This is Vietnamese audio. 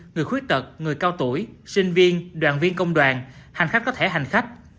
người khuyết tật người cao tuổi sinh viên đoàn viên công đoàn hành khách có thẻ hành khách